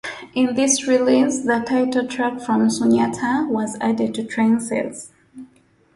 In this release the title track from Sunyata was added to Trances.